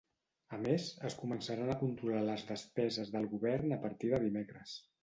A més, es començaran a controlar les despeses del govern a partir de dimecres.